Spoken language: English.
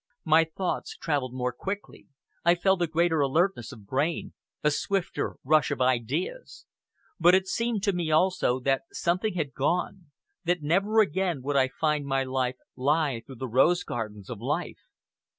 My thoughts travelled more quickly, I felt a greater alertness of brain, a swifter rush of ideas. But it seemed to me, also, that something had gone, that never again would I find my way lie through the rose gardens of life.